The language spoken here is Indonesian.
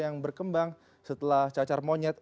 yang berkembang setelah cacar monyet